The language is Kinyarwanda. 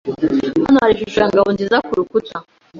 Hano hari ishusho ya Ngabonzizakurukuta.